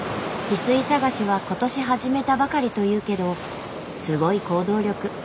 ヒスイ探しは今年始めたばかりというけどすごい行動力。